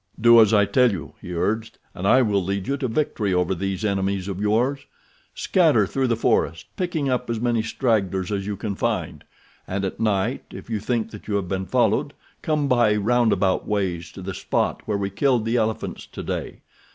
"Do as I tell you," he urged, "and I will lead you to victory over these enemies of yours. Scatter through the forest, picking up as many stragglers as you can find, and at night, if you think that you have been followed, come by roundabout ways to the spot where we killed the elephants today.